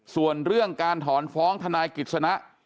ส่วนเรื่องการถอนฟ้องทนายกิจสนะ